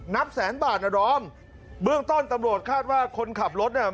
นับแสนบาทนะดอมเบื้องต้นตำรวจคาดว่าคนขับรถเนี่ย